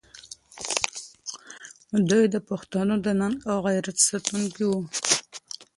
دوی د پښتنو د ننګ او غیرت ساتونکي وو.